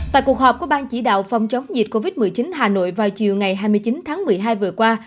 tại cuộc họp của ban chỉ đạo phòng chống dịch covid một mươi chín hà nội vào chiều ngày hai mươi chín tháng một mươi hai vừa qua